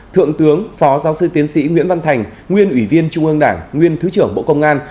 thượng tướng phó giáo sư tiến sĩ nguyễn văn thành nguyên ủy viên trung ương đảng nguyên thứ trưởng bộ công an